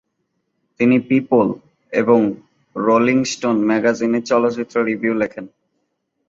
তিনি "পিপল" এবং "Rolling Stone" ম্যাগাজিনে চলচ্চিত্র রিভিউ লেখেন।